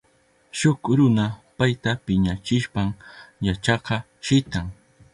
Shuk runa payta piñachishpan yachakka shitan.